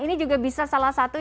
ini juga bisa salah satu